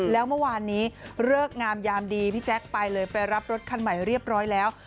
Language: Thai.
แล้วเมื่อวานนี้เลิกงามยามดีพี่แจ๊คไปเลยไปรับรถคันใหม่เรียบร้อยแล้ว